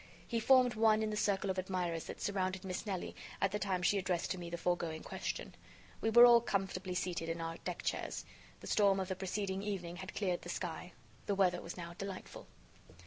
He formed one in the circle of admirers that surrounded Miss Nelly at the time she addressed to me the foregoing question. We were all comfortably seated in our deck chairs. The storm of the preceding evening had cleared the sky. The weather was now delightful.